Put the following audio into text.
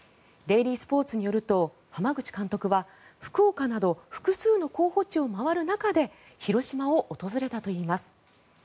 デイリースポーツによると濱口監督は福岡など複数の候補地を回る中で広島を訪れたといいます。